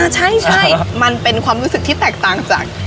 ใช่มันเป็นความรู้สึกที่แตกต่างจาก